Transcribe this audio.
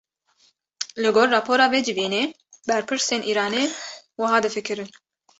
Li gor rapora vê civînê, berpirsên Îranê wiha difikirin